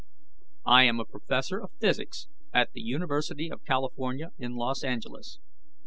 "I am a Professor of Physics, at the University of California in Los Angeles."